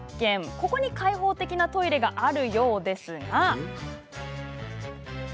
ここに開放的なトイレがあるようですが。